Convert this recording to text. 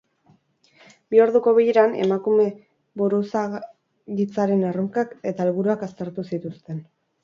Bi orduko bileran, emakume buruzagitzaren erronkak eta helburuak aztertu zituzten.